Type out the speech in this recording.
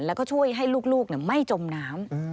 แล้วก็ช่วยให้ลูกไม่จมน้ำ